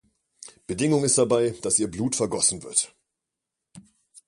Bedingung ist dabei, dass ihr Blut vergossen wird.